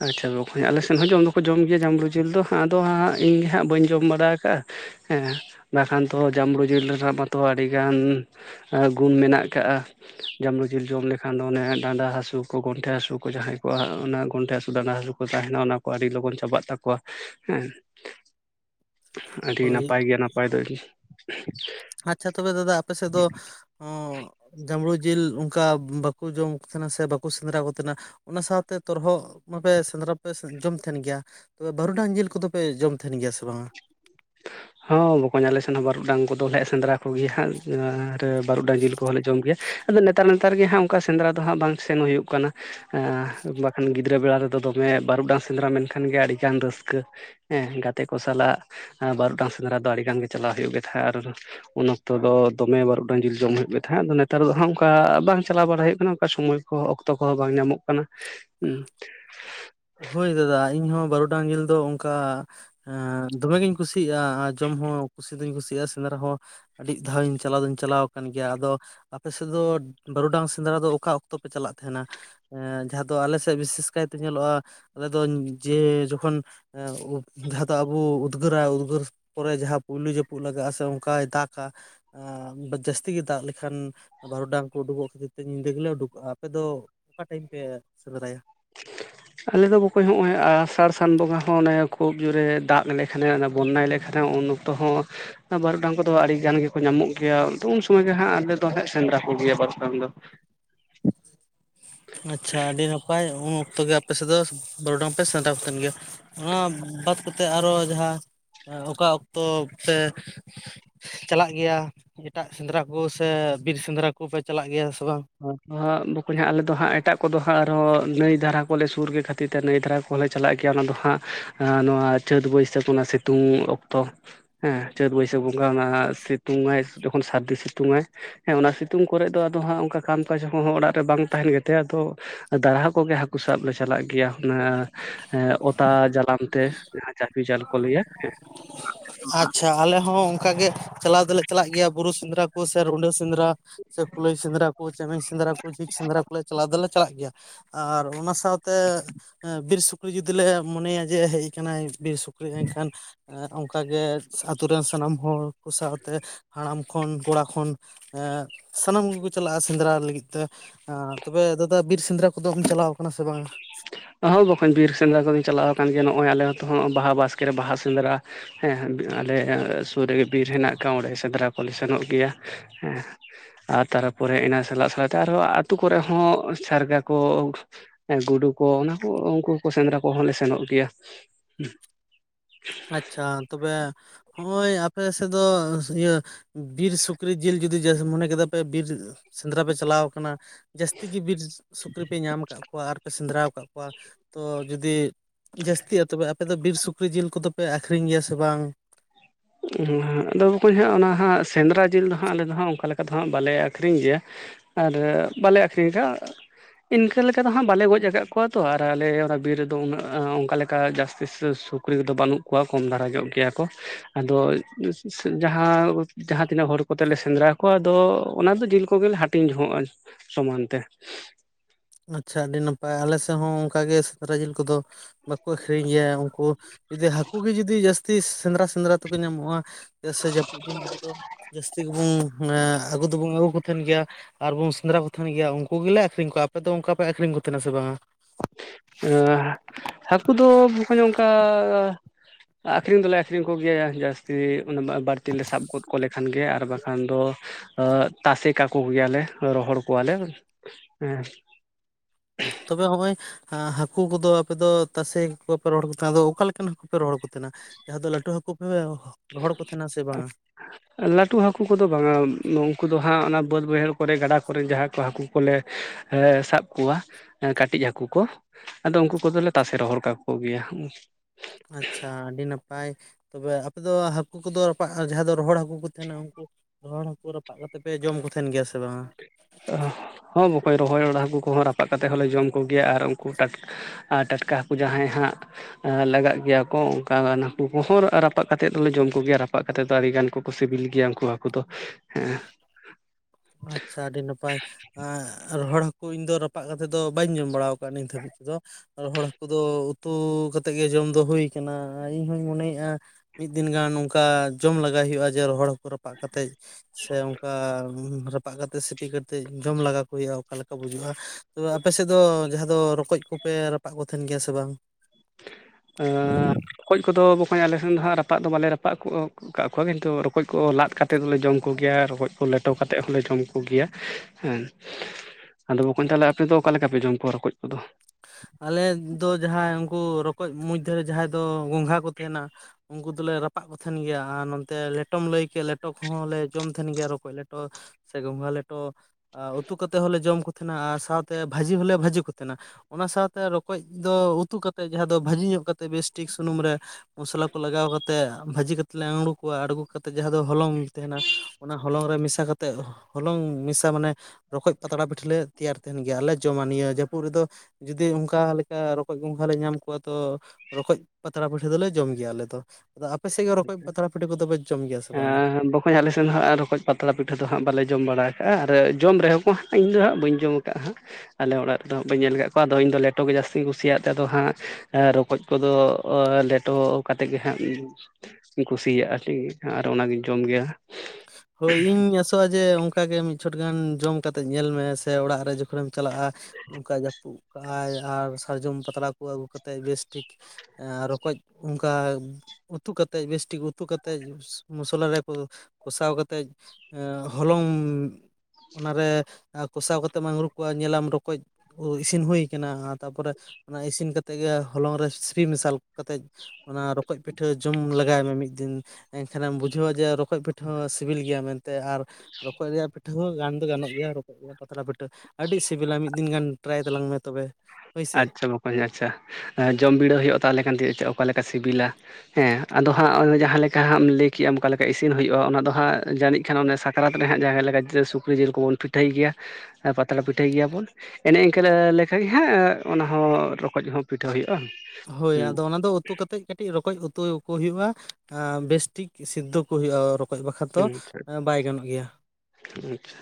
ᱟᱪᱪᱷᱟ ᱵᱟᱠᱚ ᱟᱞᱮ ᱥᱮᱱ ᱦᱚᱸ ᱡᱚᱢ ᱫᱚᱠᱚ ᱡᱚᱢ ᱜᱮᱭᱟ ᱡᱟᱢᱲᱩ ᱡᱤᱞ ᱫᱚ ᱟᱫᱚ ᱟᱸᱜ ᱤᱧ ᱜᱮ ᱦᱟᱸᱜ ᱵᱟᱹᱧ ᱡᱚᱢ ᱵᱟᱲᱟ ᱟᱠᱟᱜᱼᱟ ᱦᱮᱸ ᱵᱟᱠᱷᱟᱱ ᱛᱚ ᱡᱟᱢᱲᱩ ᱡᱤᱞ ᱨᱮᱱᱟᱜ ᱢᱟᱛᱚ ᱟᱹᱰᱤᱜᱟᱱ ᱜᱩᱱ ᱢᱮᱱᱟᱜ ᱟᱠᱟᱜᱼᱟ ᱡᱟᱢᱲᱩ ᱡᱤᱞ ᱡᱚᱢ ᱞᱮᱠᱷᱟᱱ ᱫᱚ ᱚᱱᱮ ᱰᱟᱸᱰᱟ ᱦᱟᱹᱥᱩ ᱠᱚ ᱜᱚᱱᱴᱷᱮ ᱦᱟᱹᱥᱩ ᱠᱚ ᱡᱟᱦᱟᱸᱭ ᱠᱚᱣᱟᱜ ᱚᱱᱟ ᱜᱚᱱᱴᱷᱮ ᱦᱟᱹᱥᱩ ᱰᱟᱸᱰᱟ ᱦᱟᱹᱥᱩ ᱠᱚ ᱛᱟᱦᱮᱱᱟ ᱚᱱᱟ ᱠᱚ ᱟᱹᱰᱤ ᱞᱚᱜᱚᱱ ᱪᱟᱵᱟᱜ ᱛᱟᱠᱚᱣᱟ ᱦᱮᱸ ᱟᱹᱰᱤ ᱦᱳᱭ ᱱᱟᱯᱟᱭ ᱜᱮᱭᱟ ᱱᱟᱯᱟᱭ ᱫᱚ ᱟᱪᱪᱷᱟ ᱛᱚᱵᱮ ᱫᱟᱫᱟ ᱟᱯᱮ ᱥᱮᱫ ᱫᱚ *inaudible* ᱡᱟᱸᱵᱽᱲᱩ ᱡᱤᱞ ᱚᱱᱠᱟ ᱵᱟᱠᱚ ᱡᱚᱢ ᱠᱚ ᱛᱟᱦᱮᱱᱟ ᱥᱮ ᱵᱟᱠᱚ ᱥᱮᱸᱫᱽᱨᱟ ᱠᱚ ᱛᱟᱦᱮᱱᱟ ᱚᱱᱟ ᱥᱟᱶᱛᱮ ᱛᱚᱨᱦᱚᱫ ᱢᱟᱯᱮ ᱥᱮᱸᱫᱽᱨᱟ ᱯᱮ ᱡᱚᱢ ᱛᱟᱦᱮᱸᱱ ᱜᱮᱭᱟ ᱛᱚᱵᱮ ᱵᱟᱹᱨᱩᱰᱟᱝ ᱡᱤᱞ ᱠᱚᱫᱚᱯᱮ ᱡᱚᱢ ᱛᱟᱦᱮᱱ ᱜᱮᱭᱟ ᱥᱮ ᱵᱟᱝ-ᱟ᱾ *unintelligible* ᱦᱚᱸ ᱵᱚᱠᱚᱧ ᱟᱞᱮ ᱥᱮᱱ ᱵᱟᱹᱨᱩᱰᱟᱝ ᱠᱚᱫᱚᱞᱮ ᱥᱮᱸᱫᱽᱨᱟ ᱠᱚᱜᱮᱭᱟ ᱦᱟᱸᱜ ᱟᱨ ᱵᱟᱹᱨᱩᱰᱟᱝ ᱡᱤᱞ ᱠᱚᱦᱚᱸᱞᱮ ᱡᱚᱢ ᱜᱮᱭᱟ ᱟᱫᱚ ᱱᱮᱛᱟᱨ ᱱᱮᱛᱟᱨ ᱜᱮ ᱦᱟᱜ ᱚᱱᱠᱟ ᱥᱮᱸᱫᱽᱨᱟ ᱫᱚ ᱦᱟᱸᱜ ᱵᱟᱝ ᱥᱮᱱ ᱦᱩᱭᱩᱜ ᱠᱟᱱᱟ ᱵᱟᱠᱷᱟᱱ ᱜᱤᱫᱽᱨᱟᱹ ᱵᱮᱲᱟ ᱨᱮᱫᱚ ᱫᱚᱢᱮ ᱵᱟᱹᱨᱩᱰᱟᱝ ᱥᱮᱸᱫᱽᱨᱟ ᱢᱮᱱᱠᱷᱟᱱ ᱜᱮ ᱟᱹᱰᱤ ᱜᱟᱱ ᱨᱟᱹᱥᱠᱟᱹ ᱦᱮᱸ ᱜᱟᱛᱮ ᱠᱚ ᱥᱟᱞᱟᱜ ᱵᱟᱹᱨᱩᱰᱟᱝ ᱥᱮᱸᱫᱽᱨᱟ ᱫᱚ ᱟᱹᱰᱤ ᱜᱟᱱ ᱜᱮ ᱪᱟᱜ ᱦᱩᱭᱩᱜ ᱜᱮ ᱛᱟᱦᱮᱸᱫ ᱟᱨ ᱩᱱ ᱚᱠᱛᱚ ᱫᱚᱢᱮ ᱵᱟᱹᱨᱩᱰᱟᱝ ᱡᱤᱞ ᱡᱚᱢ ᱦᱩᱭᱩᱜ ᱛᱟᱦᱮᱸᱫ ᱟᱫᱚ ᱱᱮᱛᱟᱨ ᱫᱚ ᱦᱟᱸᱜ ᱚᱱᱠᱟ ᱵᱟᱝ ᱪᱟᱞᱟᱣ ᱵᱟᱲᱟ ᱦᱩᱭᱩᱜ ᱠᱟᱱᱟ ᱚᱱᱠᱟ ᱥᱚᱢᱚᱭ ᱚᱠᱛᱚ ᱠᱚᱦᱚᱸ ᱵᱟᱝ ᱧᱟᱢᱚᱜ ᱠᱟᱱᱟ ᱦᱩᱸ ᱦᱳᱭ ᱫᱟᱫᱟ ᱤᱧᱦᱚᱸ ᱵᱟᱨᱩᱰᱟᱝ ᱡᱮᱞ ᱫᱚ ᱚᱱᱠᱟ ᱦᱟᱸ ᱫᱚᱢᱮ ᱜᱤᱧ ᱠᱩᱥᱤᱭᱟᱜᱼᱟ ᱟᱨ ᱡᱚᱢ ᱦᱚᱸ ᱠᱩᱥᱤ ᱫᱩᱧ ᱠᱩᱥᱤᱭᱟᱜᱼᱟ ᱥᱮᱸᱫᱽᱨᱟ ᱦᱚᱸ ᱟᱹᱰᱤ ᱫᱷᱟᱣ ᱤᱧ ᱪᱟᱞᱟᱣ ᱫᱚᱧ ᱪᱟᱞᱟᱣ ᱟᱠᱟᱱ ᱜᱮᱭᱟ ᱟᱫᱚ ᱟᱯᱮ ᱥᱮᱫ ᱫᱚ ᱵᱟᱹᱨᱩᱰᱟᱝ ᱥᱮᱸᱫᱽᱨᱟ ᱫᱚ ᱚᱠᱟ ᱚᱠᱛᱚ ᱯᱮ ᱪᱟᱞᱟᱜ ᱛᱟᱦᱮᱸᱱᱟ ᱮ ᱡᱟᱦᱟᱸ ᱫᱚ ᱟᱞᱮ ᱥᱮᱫ ᱵᱤᱥᱮᱥ ᱠᱟᱭᱛᱮ ᱧᱮᱞᱚᱜᱼᱟ ᱟᱞᱮ ᱫᱚ ᱡᱮ ᱡᱚᱠᱷᱚᱱ ᱡᱟᱦᱟᱸ ᱫᱚ ᱟᱵᱚ ᱩᱫᱽᱜᱟᱹᱨᱟᱭ ᱩᱫᱽᱜᱟᱹᱨ ᱯᱚᱨᱮ ᱡᱟᱦᱟᱸ ᱯᱳᱭᱞᱳ ᱡᱟᱹᱯᱩᱫ ᱞᱟᱜᱟᱜᱼᱟ ᱥᱮ ᱚᱱᱠᱟᱭ ᱫᱟᱜᱼᱟ ᱡᱟᱹᱥᱛᱤ ᱜᱮ ᱫᱟᱜ ᱞᱮᱠᱷᱟᱱ ᱵᱟᱹᱨᱚᱰᱟᱝ ᱠᱚ ᱩᱰᱩᱠᱚᱜ ᱠᱷᱟᱹᱛᱤᱨ ᱛᱮ ᱧᱤᱫᱟᱹ ᱜᱮᱞᱮ ᱩᱰᱩᱠᱚᱜᱼᱟ ᱟᱯᱮ ᱫᱚ ᱚᱠᱟ ᱴᱟᱭᱤᱢ ᱯᱮ ᱥᱮᱸᱫᱽᱨᱟᱭᱟ ᱟᱞᱮ ᱫᱚ ᱵᱚᱠᱚᱧ ᱱᱚᱜᱼᱚᱭ ᱟᱥᱟᱲ ᱥᱟᱱ ᱵᱚᱸᱜᱟ ᱦᱚᱸ ᱚᱱᱮ ᱠᱷᱩᱵ ᱡᱳᱨᱮ ᱫᱟᱜ ᱞᱮᱠᱷᱟᱱᱮ ᱵᱚᱱᱱᱟᱭ ᱞᱮᱠᱷᱟᱱᱮ ᱛᱚ ᱦᱚᱸ ᱵᱟᱹᱨᱰᱟᱝ ᱠᱚᱫᱚ ᱟᱹᱰᱤ ᱜᱟᱱ ᱜᱮᱠᱚ ᱧᱟᱢᱚᱜ ᱜᱮᱭᱟ ᱩᱱ ᱥᱚᱢᱚᱭ ᱜᱮ ᱦᱟᱸᱜ ᱟᱞᱮ ᱫᱚ ᱦᱟᱸᱜ ᱥᱮᱸᱫᱽᱨᱟ ᱠᱚ ᱜᱮᱭᱟ ᱵᱟᱹᱨᱰᱟᱝ ᱫᱚ ᱟᱪᱪᱷᱟ ᱟᱹᱰᱤ ᱱᱟᱯᱟᱭ ᱩᱱ ᱚᱠᱛᱚ ᱜᱮ ᱟᱯᱮ ᱥᱮᱫ ᱫᱚ ᱵᱟᱹᱨᱩᱰᱟᱝ ᱯᱮ ᱥᱮᱸᱫᱨᱟ ᱠᱚ ᱛᱟᱦᱮᱸᱱ ᱜᱮ ᱚᱱᱟ ᱵᱟᱫ ᱠᱟᱛᱮ ᱟᱨᱚ ᱡᱟᱦᱟᱸ ᱚᱠᱟ ᱚᱠᱛᱚ ᱯᱮ ᱪᱟᱞᱟᱜ ᱜᱮᱭᱟ ᱮᱴᱟᱜ ᱥᱮᱸᱫᱽᱨᱟ ᱠᱚ ᱥᱮ ᱵᱤᱨ ᱥᱮᱸᱫᱽᱨᱟ ᱠᱚ ᱯᱮ ᱪᱟᱞᱟᱜ ᱜᱮᱭᱟ ᱥᱮ ᱵᱟᱝ ᱦᱟ ᱵᱚᱠᱚᱧ ᱦᱟᱸᱜ ᱟᱞᱮ ᱫᱚ ᱦᱟᱸᱜ ᱮᱴᱟᱜ ᱠᱚᱫᱚ ᱦᱟᱸᱜ ᱟᱨ ᱦᱚᱸ ᱱᱟᱹᱭ ᱫᱷᱟᱨᱟ ᱠᱚᱞᱮ ᱥᱩᱨ ᱜᱮ ᱠᱷᱟᱱ ᱠᱷᱟᱹᱛᱤᱨ ᱛᱮ ᱱᱟᱹᱭ ᱫᱷᱟᱨᱟ ᱠᱚᱦᱚᱸ ᱪᱟᱞᱟᱜ ᱜᱮᱭᱟ ᱚᱱᱟ ᱫᱚ ᱦᱟᱸᱜ ᱱᱚᱣᱟ ᱪᱟᱹᱛ ᱵᱟᱹᱭᱥᱟᱹᱠᱷ ᱚᱱᱟ ᱥᱤᱛᱩᱝ ᱚᱠᱛᱚ ᱦᱮᱸ ᱪᱟᱹᱛ ᱵᱟᱹᱭᱥᱟᱹᱠᱷ ᱵᱚᱸᱜᱟ ᱚᱱᱟ ᱥᱤᱛᱩᱝ ᱟᱭ ᱡᱚᱠᱷᱚᱱ ᱥᱟᱹᱨᱫᱤ ᱥᱤᱛᱩᱝ ᱟᱭ ᱦᱮᱸ ᱚᱱᱟ ᱥᱤᱛᱩᱝ ᱠᱚᱨᱮᱜ ᱫᱚ ᱟᱫᱚ ᱦᱟᱸᱜ ᱚᱱᱠᱟ ᱠᱟᱢ ᱠᱟᱡ ᱠᱚᱸ ᱚᱲᱟᱜ ᱨᱮ ᱵᱟᱝ ᱛᱟᱦᱮᱸᱱ ᱜᱮᱛᱮ ᱟᱫᱚ ᱫᱟᱨᱦᱟ ᱠᱚᱜᱮ ᱦᱟᱹᱠᱩ ᱥᱟᱵ ᱞᱮ ᱪᱟᱞᱟᱜ ᱜᱮᱭᱟ ᱚᱱᱟ ᱚᱛᱟ ᱡᱟᱞ ᱟᱱ ᱛᱮ ᱡᱟᱦᱟᱸ ᱪᱷᱟᱠᱤ ᱡᱟᱞ ᱠᱚ ᱞᱟᱹᱭᱟ ᱦᱮᱸ *inaudible* ᱟᱪᱪᱷᱟ ᱟᱞᱮ ᱦᱚᱸ ᱚᱱᱠᱟ ᱜᱮ ᱪᱟᱞᱟᱣ ᱫᱚᱞᱮ ᱪᱟᱞᱟᱜ ᱜᱮᱭᱟ ᱵᱩᱨᱩ ᱥᱮᱸᱫᱽᱨᱟ ᱠᱚ ᱥᱮ ᱨᱩᱰᱟᱹ ᱥᱮᱸᱫᱽᱨᱟ ᱥᱮ ᱠᱩᱞᱟᱹᱭ ᱥᱮᱸᱫᱽᱨᱟ ᱠᱚ ᱪᱮᱢᱮᱧ ᱥᱮᱸᱫᱽᱨᱟ ᱠᱚ ᱡᱷᱤᱠ ᱥᱮᱫᱽᱨᱟ ᱠᱚ ᱪᱟᱞᱟᱣ ᱫᱚᱞᱮ ᱪᱟᱞᱟᱜ ᱜᱮᱭᱟ ᱟᱨ ᱚᱱᱟ ᱥᱟᱶᱛᱮ ᱵᱤᱨ ᱥᱩᱠᱨᱤ ᱡᱩᱫᱤ ᱞᱮ ᱢᱚᱱᱮᱭᱟ ᱡᱮ ᱦᱮᱡ ᱟᱠᱟᱱᱟᱭ ᱵᱤᱨ ᱥᱩᱠᱨᱤ ᱮᱱᱠᱷᱟᱱ ᱚᱱᱠᱟᱜᱮ ᱟᱛᱳ ᱨᱮᱱ ᱥᱟᱱᱟᱢ ᱦᱚᱲ ᱠᱚ ᱥᱟᱶᱛᱮ ᱦᱟᱲᱟᱢ ᱠᱷᱚᱱ ᱠᱚᱲᱟ ᱠᱷᱚᱱ ᱮ ᱥᱟᱱᱟᱢ ᱠᱚ ᱜᱮᱠᱚ ᱪᱟᱞᱟᱜᱼᱟ ᱥᱮᱸᱫᱽᱨᱟ ᱞᱟᱹᱜᱤᱫ ᱛᱮ ᱛᱚᱵᱮ ᱫᱟᱫᱟ ᱵᱤᱨ ᱥᱮᱸᱫᱽᱨᱟ ᱠᱚᱫᱚᱢ ᱪᱟᱞᱟᱣ ᱠᱟᱱᱟ ᱥᱮ ᱵᱟᱝᱼᱟ᱾ ᱦᱳᱭ ᱵᱚᱠᱚᱧ ᱵᱤᱨ ᱥᱮᱸᱫᱽᱨᱟ ᱫᱚ ᱞᱤᱧ ᱪᱟᱞᱟᱣ ᱟᱠᱟᱱ ᱜᱮᱭᱟ ᱱᱚᱜᱼᱚᱭ ᱟᱞᱮ ᱦᱚᱸ ᱛᱚ ᱵᱟᱦᱟ ᱵᱟᱥᱠᱮ ᱨᱮ ᱵᱟᱦᱟ ᱥᱮᱸᱫᱽᱨᱟ ᱦᱮᱸ ᱟᱞᱮ ᱥᱩᱨ ᱨᱮᱜᱮ ᱵᱤᱨ ᱢᱮᱱᱟᱜ ᱜᱮᱭᱟ ᱚᱸᱰᱮ ᱥᱮᱸᱫᱽᱨᱟ ᱠᱚᱞᱮ ᱥᱮᱱᱚᱜ ᱜᱮᱭᱟ ᱦᱮᱸ ᱟᱨ ᱛᱟᱨᱯᱚᱨᱮ ᱤᱱᱟᱹ ᱥᱟᱞᱟᱜ ᱛᱮ ᱟᱹᱛᱩ ᱠᱚᱨᱮ ᱦᱚᱸ ᱥᱟᱨᱜᱟ ᱠᱚ ᱜᱩᱰᱩ ᱠᱚ ᱚᱱᱟ ᱠᱚ ᱩᱱᱠᱩ ᱠᱚ ᱥᱮᱸᱫᱽᱨᱟ ᱠᱚᱦᱚᱸᱞᱮ ᱥᱮᱱᱚᱜ ᱜᱮᱭᱟ ᱟᱪᱪᱷᱟ ᱛᱚᱵᱮ ᱦᱚᱜᱼᱚᱭ ᱟᱯᱮ ᱥᱮᱫ ᱫᱚ ᱤᱭᱟᱹ ᱵᱤᱨ ᱥᱩᱠᱨᱤ ᱡᱤᱞ ᱡᱩᱫᱤ ᱢᱚᱱᱮ ᱠᱮᱫᱟ ᱯᱮ ᱵᱤᱨ ᱥᱮᱸᱫᱽᱨᱟ ᱯᱮ ᱪᱟᱞᱟᱣ ᱠᱟᱱᱟ ᱡᱟᱹᱥᱛᱤ ᱜᱮ ᱵᱤᱨ ᱥᱩᱠᱨᱤ ᱯᱮ ᱧᱟᱢ ᱟᱠᱟᱫ ᱠᱚᱣᱟ ᱟᱨᱯᱮ ᱥᱮᱸᱫᱽᱨᱟ ᱟᱠᱟᱫ ᱠᱚᱣᱟ ᱛᱚ ᱡᱩᱫᱤ ᱡᱟᱹᱥᱛᱤᱜᱼᱟ ᱛᱚᱵᱮ ᱟᱯᱮ ᱫᱚ ᱵᱤᱨ ᱥᱩᱠᱨᱤ ᱡᱤᱞ ᱠᱚᱫᱚ ᱯᱮ ᱟᱠᱷᱨᱤᱧ ᱜᱮᱭᱟ ᱥᱮ ᱵᱟᱝ ᱟᱫᱚ ᱵᱚᱠᱚᱧ ᱦᱟᱸᱜ ᱚᱱᱟ ᱦᱟᱸᱜ ᱥᱮᱸᱫᱽᱨᱟ ᱡᱤᱞ ᱫᱚ ᱦᱟᱸᱜ ᱟᱞᱮ ᱫᱚ ᱦᱟᱸᱜ ᱚᱱᱠᱟ ᱞᱮᱠᱟ ᱫᱚ ᱦᱟᱸᱜ ᱵᱟᱞᱮ ᱟᱠᱷᱨᱤᱧ ᱜᱮᱭᱟ ᱟᱨ ᱵᱟᱞᱮ ᱟᱠᱷᱨᱤᱧ ᱟᱠᱟᱫ ᱤᱱᱠᱟᱹ ᱞᱮᱠᱟ ᱫᱚ ᱦᱟᱸᱜ ᱵᱟᱞᱮ ᱜᱚᱡ ᱟᱠᱟᱫ ᱠᱚᱣᱟ ᱛᱚ ᱟᱨ ᱟᱞᱮ ᱚᱱᱟ ᱵᱤᱨ ᱨᱮᱫᱚ ᱩᱱᱟᱹᱜ ᱚᱱᱠᱟ ᱞᱮᱠᱟ ᱡᱟᱹᱥᱛᱤ ᱥᱩᱠ ᱥᱩᱠᱨᱤ ᱠᱚᱫᱚ ᱵᱟᱹᱱᱩᱜ ᱠᱚᱣᱟ ᱠᱚᱢ ᱫᱷᱟᱨᱟ ᱧᱚᱜ ᱜᱮᱭᱟ ᱠᱚ ᱟᱫᱚ ᱡᱟᱦᱟᱸ ᱡᱟᱦᱟᱸ ᱛᱤᱱᱟᱹᱜ ᱦᱚᱲ ᱠᱚᱛᱮ ᱞᱮ ᱥᱮᱸᱫᱽᱨᱟ ᱠᱚᱣᱟ ᱟᱫᱚ ᱚᱱᱟ ᱫᱚ ᱡᱤᱞ ᱠᱚᱜᱮᱞᱮ ᱦᱟᱹᱴᱤᱧ ᱡᱚᱦᱚᱜᱼᱟ ᱥᱚᱢᱟᱱ ᱛᱮ ᱟᱪᱪᱷᱟ ᱟᱹᱰᱤ ᱱᱟᱯᱟᱭ ᱟᱞᱮ ᱥᱮᱫ ᱦᱚᱸ ᱚᱱᱠᱟᱜ ᱜᱮ ᱥᱮᱸᱫᱽᱨᱟ ᱡᱤᱞ ᱠᱚᱫᱚ ᱵᱟᱠᱚ ᱟᱠᱷᱨᱤᱧ ᱜᱮᱭᱟ ᱩᱱᱠᱩ ᱡᱩᱫᱤ ᱦᱟᱹᱠᱩ ᱜᱮ ᱡᱩᱫᱤ ᱡᱟᱹᱥᱛᱤ ᱥᱮᱸᱫᱽᱨᱟ ᱥᱮᱸᱫᱽᱨᱟ ᱛᱮᱠᱚ ᱧᱟᱢᱚᱜᱼᱟ ᱪᱮᱫᱟᱜ ᱥᱮ ᱡᱟᱹᱯᱩᱫ ᱫᱤᱱ ᱟᱵᱚ ᱫᱚ ᱡᱟᱹᱥᱛᱤ ᱜᱮᱵᱚᱱ ᱟᱜᱩ ᱫᱚᱵᱚ ᱟᱹᱜᱩ ᱠᱚ ᱛᱟᱦᱮᱸᱱ ᱜᱮᱭᱟ ᱟᱨᱵᱚᱱ ᱥᱮᱸᱫᱽᱨᱟ ᱠᱚ ᱛᱟᱦᱮᱸᱱ ᱜᱮᱭᱟ ᱩᱱᱠᱩ ᱜᱮᱞᱮ ᱟᱠᱷᱨᱤᱧ ᱠᱚᱣᱟ ᱟᱯᱮ ᱫᱚ ᱚᱱᱠᱟ ᱯᱮ ᱟᱹᱠᱷᱨᱤᱧ ᱠᱚ ᱛᱟᱦᱮᱸᱱᱟ ᱥᱮ ᱵᱟᱝ ᱦᱟᱹᱠᱩ ᱫᱚ ᱵᱚᱠᱚᱸᱧ ᱚᱝᱠᱟ ᱟᱠᱷᱨᱤᱧ ᱫᱚᱞᱮ ᱟᱠᱷᱨᱤᱧ ᱠᱚᱜᱮᱭᱟ ᱡᱟᱹᱥᱛᱤ ᱚᱱᱟ ᱵᱟᱹᱲᱛᱤ ᱞᱮ ᱥᱟᱵ ᱜᱚᱫ ᱠᱚᱞᱮ ᱵᱟᱠᱷᱟᱱ ᱜᱮ ᱟᱨ ᱵᱟᱠᱷᱟᱱ ᱫᱚ ᱛᱟᱥᱮ ᱠᱟᱠᱚ ᱜᱮᱭᱟᱞᱮ ᱨᱚᱦᱚᱲ ᱠᱚᱣᱟᱞᱮ ᱦᱮᱸ ᱛᱚᱵᱮ ᱦᱚᱸᱚᱭ ᱦᱟᱹᱠᱩ ᱠᱚᱫᱚ ᱟᱯᱮ ᱫᱚ ᱛᱟᱥᱮ ᱠᱚ ᱯᱮ ᱨᱚᱦᱚᱲ ᱠᱚᱠᱷᱟᱱ ᱟᱫᱚ ᱚᱠᱟ ᱞᱮᱠᱟᱱ ᱦᱟᱹᱠᱩ ᱯᱮ ᱨᱚᱦᱚᱲ ᱠᱚ ᱛᱮ ᱱᱟᱜ ᱡᱟᱦᱟᱸ ᱫᱚ ᱞᱟᱹᱴᱩ ᱦᱟᱹᱠᱩ ᱯᱮ ᱨᱚᱦᱚᱲ ᱠᱚ ᱛᱟᱦᱮᱱᱟ ᱥᱮ ᱵᱟᱝᱟ ᱞᱟᱹᱴᱩ ᱦᱟᱹᱠᱩ ᱠᱚᱫᱚ ᱵᱟᱝᱼᱟ ᱩᱱᱠᱩ ᱫᱚ ᱦᱟᱸᱜ ᱚᱱᱟ ᱵᱟᱹᱫᱽ ᱵᱟᱹᱭᱦᱟᱹᱲ ᱠᱚᱨᱮᱜ ᱜᱟᱰᱟ ᱠᱚᱨᱮ ᱡᱟᱦᱟᱸ ᱠᱚ ᱦᱟᱹᱠᱩ ᱠᱚᱞᱮ ᱦᱮᱸ ᱥᱟᱵ ᱠᱚᱣᱟ ᱠᱟᱹᱴᱤᱡ ᱦᱟᱹᱠᱩ ᱠᱚ ᱟᱫᱚ ᱩᱱᱠᱩ ᱠᱚᱫᱚᱞᱮ ᱛᱟᱥᱮ ᱨᱚᱦᱚᱲ ᱠᱟᱠᱚ ᱜᱮᱭᱟ ᱟᱪᱪᱷᱟ ᱟᱹᱰᱤ ᱱᱟᱯᱟᱭ ᱛᱚᱵᱮ ᱟᱯᱮ ᱫᱚ ᱦᱟᱹᱠᱩ ᱠᱚᱫᱚ ᱨᱟᱯᱟᱜ ᱡᱟᱦᱟᱸ ᱫᱚ ᱨᱚᱦᱚᱲ ᱦᱟᱹᱠᱩ ᱠᱚ ᱛᱟᱦᱮᱱᱟ ᱩᱱᱠᱩ ᱨᱚᱦᱚᱲ ᱦᱟᱠᱩ ᱨᱟᱯᱟᱜ ᱠᱟᱛᱮ ᱯᱮ ᱡᱚᱢ ᱠᱚ ᱛᱟᱦᱮᱱ ᱜᱮᱭᱟ ᱥᱮ ᱵᱟᱝᱟ ᱦᱚᱸ ᱵᱠᱚᱭ ᱨᱚᱦᱚᱭ ᱦᱠᱩ ᱠᱚᱦᱚᱸ ᱨᱟᱯᱟᱜ ᱠᱟᱛᱮᱫ ᱦᱚᱸᱞᱮ ᱡᱚᱢ ᱠᱚᱜᱮᱭᱟ ᱟᱨ ᱩᱱᱠᱩ ᱴᱟᱴᱠᱟ ᱟᱨ ᱴᱟᱴᱠᱟ ᱦᱟᱹᱠᱩ ᱡᱟᱦᱟᱸᱭ ᱦᱟᱸᱜ ᱞᱟᱜᱟᱜ ᱜᱮᱭᱟ ᱠᱚ ᱚᱱᱠᱟ ᱱᱟᱠᱩ ᱠᱚᱦᱚᱸ ᱨᱟᱯᱟᱜ ᱠᱟᱛᱮ ᱫᱚᱞᱮ ᱡᱚᱢ ᱠᱚᱜᱮᱭᱟ ᱨᱟᱯᱟᱜ ᱠᱟᱛᱮ ᱫᱚ ᱟᱹᱰᱤ ᱜᱟᱱ ᱠᱚᱠᱚ ᱥᱤᱵᱤᱞ ᱜᱮᱭᱟ ᱩᱱᱠᱩ ᱦᱟᱹᱠᱩ ᱫᱚ *inaudible* ᱟᱪᱪᱷᱟ ᱟᱹᱰᱤ ᱱᱟᱯᱟᱭ ᱨᱚᱦᱚᱲ ᱦᱚᱸ *unintelligible* ᱤᱧ ᱫᱚ ᱨᱟᱯᱟᱜ ᱠᱟᱛᱮ ᱫᱚ ᱵᱟᱹᱧ ᱡᱚᱢ ᱵᱟᱲᱟ ᱟᱠᱟᱫᱟ ᱱᱤᱛᱚᱜ ᱫᱷᱟᱹᱵᱤᱡ ᱛᱮᱫᱚ ᱨᱚᱦᱚᱲ ᱦᱟᱹᱠᱩ ᱫᱚ ᱩᱛᱩ ᱠᱟᱛᱮᱜ ᱜᱮ ᱡᱚᱢ ᱫᱚ ᱦᱩᱭ ᱠᱟᱱᱟ ᱟᱨ ᱤᱧᱦᱧ ᱢᱚᱱᱮᱭᱮᱜᱼᱟ ᱢᱤᱫ ᱫᱤᱱ ᱜᱟᱱ ᱚᱱᱠᱟ ᱡᱚᱢ ᱞᱟᱜᱟᱭ ᱦᱩᱭᱩᱜᱼᱟ ᱡᱮ ᱨᱚᱦᱚᱲ ᱦᱟᱠᱩ ᱨᱟᱯᱟᱜ ᱠᱟᱛᱮᱜ ᱥᱮ ᱚᱱᱠᱟ ᱨᱟᱯᱟᱜ ᱠᱟᱛᱮ ᱥᱤᱯᱤ ᱠᱟᱛᱮ ᱡᱚᱢ ᱞᱟᱜᱟ ᱠᱚ ᱦᱩᱭᱩᱜᱼᱟ ᱚᱠᱟᱞᱮᱠᱟ ᱵᱩᱡᱩᱜᱼᱟ *unintelligible* ᱟᱯᱮ ᱥᱮᱫ ᱫᱚ ᱡᱟᱦᱟᱸ ᱫᱚ ᱨᱚᱠᱚᱡ ᱠᱚᱯᱮ ᱨᱟᱯᱟᱜ ᱠᱚ ᱛᱟᱦᱮᱱ ᱜᱮᱭᱟ ᱥᱮ ᱵᱟᱝ ᱟᱸᱻ ᱨᱚᱠᱚᱡ ᱠᱚᱫᱚ ᱵᱚᱠᱚᱸᱧ ᱟᱞᱮ ᱥᱮᱱ ᱫᱚ ᱦᱟᱸᱜ ᱨᱟᱯᱟᱜ ᱫᱚ ᱵᱟᱞᱮ ᱨᱟᱯᱟᱜ ᱠᱚᱜᱼᱟ ᱠᱟᱜ ᱠᱚᱣᱟ ᱠᱤᱱᱛᱩ ᱨᱚᱠᱚᱡ ᱠᱚ ᱞᱟᱫ ᱠᱟᱛᱮᱫ ᱫᱚᱞᱮ ᱡᱚᱢ ᱠᱚᱜᱮᱭᱟ ᱨᱚᱠᱚᱡ ᱠᱚ ᱞᱮᱴᱚ ᱠᱟᱛᱮᱫ ᱦᱚᱸᱞᱮ ᱡᱚᱢ ᱠᱚᱜᱮᱭᱟ ᱦᱮᱸ ᱟᱫᱚ ᱵᱚᱠᱚᱸᱧ ᱛᱟᱦᱚᱞᱮ ᱟᱯᱮ ᱫᱚ ᱚᱠᱟ ᱞᱮᱠᱟ ᱯᱮ ᱡᱚᱢ ᱠᱚᱣᱟ ᱨᱚᱠᱚᱡ ᱠᱚᱫᱚ ᱟᱞᱮ ᱫᱚ ᱡᱟᱦᱟᱸᱭ ᱩᱱᱠᱩ ᱨᱚᱠᱚᱡ ᱢᱚᱫᱫᱷᱮ ᱨᱮ ᱡᱟᱦᱟᱸᱭ ᱫᱚ ᱜᱚᱝᱜᱷᱟ ᱠᱚ ᱛᱟᱦᱮᱱᱟ ᱩᱱᱠᱩ ᱫᱚᱞᱮ ᱨᱟᱯᱟᱜ ᱠᱚ ᱛᱟᱦᱮᱱ ᱜᱮᱭᱟ ᱟᱨ ᱱᱚᱛᱮ ᱞᱮᱴᱚᱢ ᱞᱟᱹᱭ ᱠᱮᱫ ᱞᱮᱴᱚ ᱠᱚᱦᱚᱸ ᱞᱮ ᱡᱚᱢ ᱛᱟᱦᱮᱱ ᱜᱮᱭᱟ ᱨᱚᱠᱚᱡ ᱞᱮᱴᱚ ᱥᱮ ᱜᱚᱝᱜᱷᱟ ᱞᱮᱴᱚ ᱩᱛᱩ ᱠᱟᱛᱮᱫ ᱦᱚᱸᱞᱮ ᱡᱚᱢ ᱠᱚ ᱛᱟᱦᱮᱱᱟ ᱟᱨ ᱥᱟᱶᱛᱮ ᱵᱷᱟᱹᱡᱤ ᱦᱚᱸᱞᱮ ᱵᱷᱟᱹᱡᱤ ᱠᱚ ᱛᱟᱦᱮᱱᱟ ᱚᱱᱟ ᱥᱟᱶᱛᱮ ᱨᱚᱠᱚᱡ ᱫᱚ ᱩᱛᱩ ᱠᱟᱛᱮᱫ ᱡᱟᱦᱟᱸ ᱫᱚ ᱵᱷᱟᱹᱡᱤ ᱧᱚᱜ ᱠᱟᱛᱮ ᱵᱮᱥᱴᱷᱤᱠ ᱥᱩᱱᱩᱢ ᱨᱮ ᱢᱚᱥᱞᱟ ᱠᱚ ᱞᱟᱜᱟᱣ ᱠᱟᱛᱮᱜ ᱵᱷᱟᱹᱡᱤ ᱠᱟᱛᱮᱜ ᱞᱮ ᱟᱬᱜᱩ ᱠᱚᱣᱟ ᱟᱬᱜᱩ ᱠᱟᱛᱮ ᱡᱟᱦᱟᱸ ᱫᱚ ᱦᱚᱞᱚᱝ ᱛᱟᱦᱮᱱᱟ ᱚᱱᱟ ᱦᱚᱞᱚᱝ ᱨᱮ ᱢᱮᱥᱟ ᱠᱟᱛᱮᱜ ᱦᱚᱞᱚᱝ ᱢᱮᱥᱟ ᱢᱟᱱᱮ ᱨᱚᱠᱚᱡ ᱯᱟᱛᱲᱟ ᱯᱤᱴᱷᱟᱹ ᱞᱮ ᱛᱮᱭᱟᱨ ᱛᱟᱦᱮᱱ ᱜᱮᱭᱟ ᱟᱨᱞᱮ ᱡᱚᱢᱟ ᱱᱤᱭᱟᱹ ᱡᱟᱹᱯᱩᱫ ᱨᱮᱫᱚ ᱡᱩᱫᱤ ᱚᱱᱠᱟ ᱞᱮᱠᱟ ᱨᱚᱠᱚᱡ ᱜᱚᱸᱜᱷᱟ ᱞᱮ ᱧᱟᱢ ᱠᱚᱣᱟ ᱛᱚ ᱨᱚᱠᱚᱡ ᱯᱟᱛᱲᱟ ᱯᱤᱴᱷᱟᱹ ᱫᱚᱞᱮ ᱡᱚᱢ ᱜᱮᱭᱟ ᱟᱞᱮ ᱫᱚ ᱟᱫᱚ ᱟᱯᱮ ᱥᱮᱫ ᱜᱮ ᱨᱚᱠᱚᱡ ᱯᱟᱛᱲᱟ ᱯᱤᱴᱷᱟᱹ ᱠᱚᱫᱚᱯᱮ ᱡᱚᱢ ᱜᱮᱭᱟ ᱥᱮ ᱵᱟᱝ ᱟ? ᱦᱚᱭ ᱟᱞᱮᱥᱮᱱ ᱫᱚ ᱦᱟᱸᱜ ᱟᱨ ᱨᱚᱠᱚᱡ ᱯᱟᱛᱲᱟ ᱯᱤᱴᱷᱟᱹ ᱫᱚ ᱦᱟᱸᱜ ᱵᱟᱞᱮ ᱡᱚᱢ ᱵᱟᱲᱟ ᱟᱠᱟᱜᱼᱟ ᱟᱨ ᱡᱚᱢ ᱨᱮᱦᱚᱸ ᱠᱚ ᱦᱟᱸᱜ ᱤᱧᱫᱚ ᱦᱟᱸᱜ ᱵᱟᱹᱧ ᱡᱚᱢ ᱟᱠᱟᱫ ᱦᱟᱸᱜ ᱟᱞᱮ ᱚᱲᱟᱜ ᱨᱮᱫᱚ ᱵᱟᱹᱧ ᱧᱮᱞ ᱟᱠᱟᱫ ᱠᱚᱣᱟ ᱟᱫᱚ ᱤᱧ ᱫᱚ ᱞᱮᱴᱚ ᱜᱮ ᱡᱟᱹᱥᱛᱤᱧ ᱠᱩᱥᱤᱭᱟᱜ ᱛᱮ ᱟᱫᱚ ᱦᱟᱸᱜ ᱨᱚᱠᱚᱡ ᱠᱚᱫᱚ ᱞᱮᱴᱚ ᱠᱟᱛᱮᱜ ᱜᱮ ᱦᱟᱸᱜ ᱠᱩᱥᱤᱭᱟᱜᱼᱟ *unintelligible* ᱟᱨ ᱚᱱᱟᱜᱤᱧ ᱡᱚᱢ ᱜᱮᱭᱟ ᱦᱳᱭ ᱤᱧ ᱟᱥᱚᱜᱼᱟ ᱡᱮ ᱚᱱᱠᱟᱜᱮ ᱢᱤᱫ ᱪᱷᱚᱴ ᱜᱟᱱ ᱡᱚᱢ ᱠᱟᱛᱮᱜ ᱧᱮᱞ ᱢᱮ ᱥᱮ ᱚᱲᱟᱜ ᱨᱮ ᱡᱚᱠᱷᱚᱱᱮᱢ ᱪᱟᱞᱟᱜᱼᱟ ᱱᱚᱝᱠᱟ ᱡᱟᱹᱯᱩᱫ ᱠᱟᱜᱼ ᱟᱭ ᱟᱨ ᱥᱟᱨᱡᱚᱢ ᱯᱟᱛᱲᱟ ᱠᱚ ᱟᱹᱜᱩ ᱠᱟᱛᱮᱫ ᱵᱮᱥᱴᱷᱤᱠ ᱨᱚᱠᱚᱡ ᱚᱱᱠᱟ ᱩᱛᱩ ᱠᱟᱛᱮ ᱵᱮᱥᱴᱷᱤᱠ ᱩᱛᱩ ᱠᱟᱛᱮᱜ ᱢᱚᱥᱞᱟ ᱨᱮᱠᱚ ᱠᱚᱥᱟᱣ ᱠᱟᱛᱮᱜ ᱮᱸᱻ ᱦᱚᱞᱚᱝ ᱚᱱᱟᱨᱮ ᱠᱚᱥᱟᱣ ᱠᱟᱛᱮᱢᱟ ᱝᱜᱽᱨᱩ ᱠᱚᱣᱟ ᱧᱮᱞᱟᱢ ᱨᱚᱠᱚᱡ ᱦᱩᱭ ᱤᱥᱤᱱ ᱦᱩᱭ ᱠᱟᱱᱟ ᱛᱟᱨᱯᱚᱨᱮ ᱚᱱᱟ ᱤᱥᱤᱱ ᱠᱟᱛᱮᱫ ᱜᱮ ᱦᱚᱞᱚᱝ ᱨᱮ ᱥᱤᱯᱤ ᱢᱮᱥᱟᱞ ᱠᱟᱛᱮᱫ ᱚᱱᱟ ᱨᱚᱠᱚᱡ ᱯᱤᱴᱷᱟᱹ ᱡᱚᱢ ᱞᱮᱟᱜᱟᱭ ᱢᱮ ᱢᱤᱫ ᱫᱤᱱ ᱮᱱᱠᱷᱟᱱᱮᱢ ᱵᱩᱡᱷᱟᱹᱣᱟ ᱡᱮ ᱨᱚᱠᱚᱡ ᱯᱤᱴᱷᱟᱹ ᱯᱤᱴᱷ ᱦᱚᱸ ᱥᱤᱵᱤᱞ ᱜᱮᱭᱟ ᱢᱮᱱᱛᱮ ᱟᱨ ᱨᱚᱠᱚᱡ ᱨᱮᱭᱟᱜ ᱯᱤᱴᱷ ᱯᱤᱴᱷᱟᱹ ᱦᱚᱸ ᱜᱟᱱ ᱫᱚ ᱜᱟᱱᱚᱜ ᱜᱮᱭᱟ ᱨᱚᱯᱚᱜ ᱜᱮᱭᱟ ᱯᱟᱛᱲᱟ ᱯᱤᱴᱷᱟᱹ ᱟᱹᱰᱤ ᱥᱤᱵᱤᱞᱟ ᱢᱤᱫ ᱫᱤᱱ ᱜᱟᱱ ᱴᱨᱟᱭ ᱛᱟᱞᱟᱝ ᱢᱮ ᱛᱚᱵᱮ ᱦᱳᱭᱥᱮ ᱟᱪᱪᱷᱟ ᱵᱚᱠᱚᱧ ᱟᱪᱪᱷᱟ ᱡᱚᱢ ᱵᱤᱲᱟᱹᱣ ᱦᱩᱭᱩᱜᱼᱟ ᱛᱟᱦᱚᱞᱮ ᱠᱷᱟᱱ ᱚᱠᱟᱞᱮᱠᱟ ᱥᱤᱵᱤᱞᱟ ᱦᱮᱸ ᱟᱫᱚ ᱦᱟᱸᱜ ᱡᱟᱦᱟᱸ ᱞᱮᱠᱟ ᱦᱟᱸᱜ ᱞᱟᱹᱭ ᱠᱮᱜᱼᱟᱢ ᱚᱠᱟ ᱞᱮᱠᱟ ᱤᱥᱤᱱ ᱦᱩᱭᱩᱜᱼᱟ ᱚᱱᱟ ᱫᱚ ᱦᱟᱸᱜ ᱡᱟᱹᱱᱤᱡ ᱠᱷᱟᱱᱮ ᱚᱱᱮ ᱥᱟᱠᱨᱟᱛ ᱨᱮ ᱦᱟᱜ ᱡᱟᱦᱟᱸ ᱞᱮᱠᱟ ᱡᱮ ᱥᱩᱠᱨᱤ ᱡᱤᱞ ᱠᱚᱵᱚᱱ ᱯᱤᱷᱟᱹᱭ ᱜᱮᱭᱟ ᱯᱟᱛᱲᱟ ᱯᱤᱴᱷᱟᱹᱭ ᱜᱮᱭᱟᱵᱚᱱ ᱮᱱᱮ ᱤᱱᱠᱟᱹ ᱞᱮᱠᱷᱟ ᱜᱮ ᱦᱟᱸᱜ ᱚᱱᱟ ᱦᱚᱸ ᱨᱚᱠᱚᱡ ᱦᱚᱸ ᱯᱤᱴᱷᱟᱹ ᱦᱩᱭᱩᱜᱼᱟ᱾ ᱦᱳᱭ ᱟᱫᱚ ᱚᱱᱟ ᱫᱚ ᱩᱛᱩ ᱠᱟᱛᱮᱜ ᱠᱟᱹᱴᱤᱡ ᱨᱚᱠᱚᱡ ᱩᱛᱩ ᱦᱩᱭᱩᱜᱼᱟ ᱟᱨ ᱵᱮᱥᱴᱷᱤᱠ ᱥᱤᱫᱽᱷᱚ ᱠᱚ ᱦᱩᱭᱩᱜᱼᱟ᱾ ᱨᱚᱠᱚᱡ ᱵᱟᱠᱷᱟᱱ ᱫᱚ ᱦᱮᱸ ᱟᱪᱪᱷᱟ ᱵᱟᱭ ᱜᱟᱱᱚᱜ ᱜᱮᱭᱟ ᱟᱪᱪᱷᱟ ᱟᱪᱪᱷᱟ